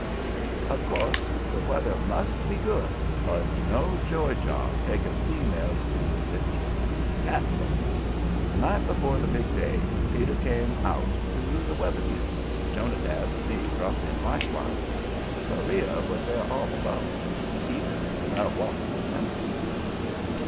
Of course, the weather must be good or it's no joy job taking females to Setuckit in a catboat. The night before the big day, Peter came out to the Weather Bureau and Jonadab and me dropped in likewise. Beriah was there all alone; Eben was out walking with Emma.